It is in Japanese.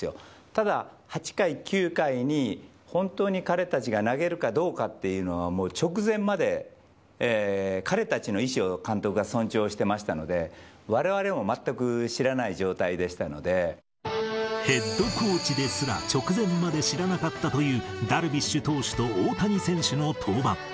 ただ、８回、９回に本当に彼たちが投げるかどうかっていうのは、もう直前まで、彼たちの意志を監督が尊重してましたので、われわれも全く知らなヘッドコーチですら直前まで知らなかったという、ダルビッシュ投手と大谷選手の登板。